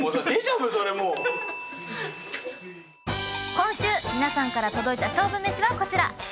今週皆さんから届いた勝負めしはこちら。